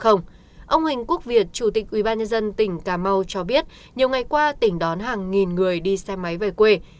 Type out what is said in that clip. ông huỳnh quốc việt chủ tịch ubnd tỉnh cà mau cho biết nhiều ngày qua tỉnh đón hàng nghìn người đi xe máy về quê